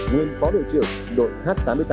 nguyên phó đội trưởng đội h tám mươi tám